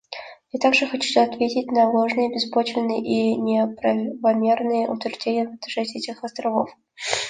Я также хочу ответить на ложные, беспочвенные и неправомерные утверждения в отношении этих островов.